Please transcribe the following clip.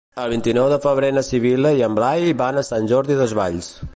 El vint-i-nou de febrer na Sibil·la i en Blai van a Sant Jordi Desvalls.